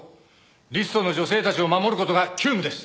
リストの女性たちを守る事が急務です。